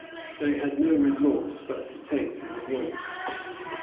They had no resource but to take to the woods.